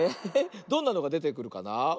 どんなのがでてくるかな？